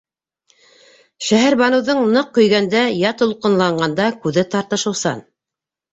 - Шәһәрбаныуҙың ныҡ көйгәндә йә тулҡынланғанда күҙе тартышыусан.